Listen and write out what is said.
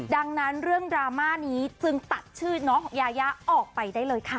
ดังนั้นเรื่องดราม่านี้จึงตัดชื่อน้องของยายาออกไปได้เลยค่ะ